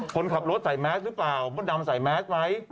คนขับรถใส่แมสหรือเปล่ามดดำใส่แมสไหม